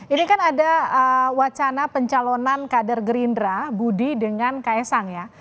ini kan ada wacana pencalonan kader gerindra budi dengan ks sang ya